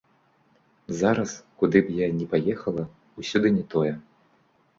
Зараз, куды б я ні паехала, усюды не тое.